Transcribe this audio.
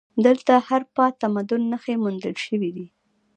دلته د هراپا تمدن نښې موندل شوي دي